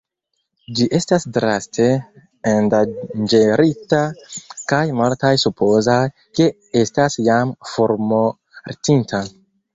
Ĝi estas draste endanĝerita kaj multaj supozas, ke estas jam formortinta.